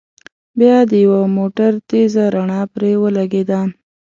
بيا د يوه موټر تېزه رڼا پرې ولګېده.